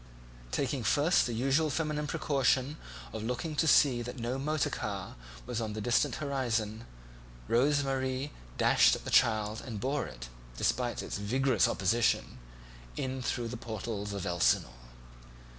Taking first the usual feminine precaution of looking to see that no motor car was on the distant horizon, Rose Marie dashed at the child and bore it, despite its vigorous opposition, in through the portals of Elsinore.